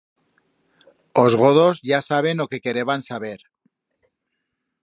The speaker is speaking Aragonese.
Os godos ya saben o que quereban saber.